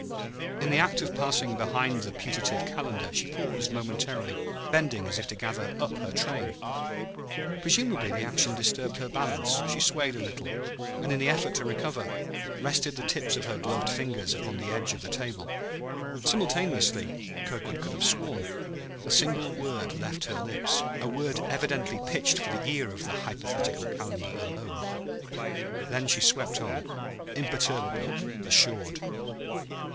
In the act of passing behind the putative Calendar, she paused momentarily, bending as if to gather up her train. Presumably the action disturbed her balance; she swayed a little, and in the effort to recover, rested the tips of her gloved fingers upon the edge of the table. Simultaneously (Kirkwood could have sworn) a single word left her lips, a word evidently pitched for the ear of the hypothetical Calendar alone. Then she swept on, imperturbable, assured.